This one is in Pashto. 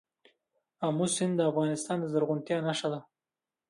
آمو سیند د افغانستان د زرغونتیا نښه ده.